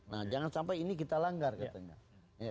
nah jangan sampai ini kita langgar katanya